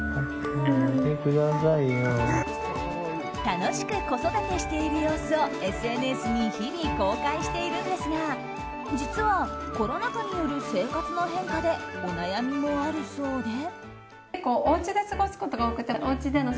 楽しく子育てしている様子をＳＮＳに日々、公開しているんですが実はコロナ禍による生活の変化でお悩みもあるそうで。